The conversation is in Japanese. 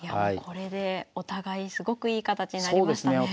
これでお互いすごくいい形になりましたね。